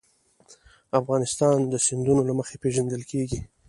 افغانستان د سیندونه له مخې پېژندل کېږي.